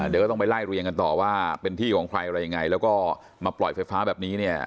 เดี๋ยวก็ต้องไปไล่เรียงกันต่อว่าเป็นที่ของใครอะไรยังไงแล้วก็มาปล่อยไฟฟ้าแบบนี้เนี่ย